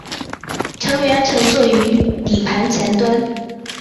乘员乘坐于底盘前端。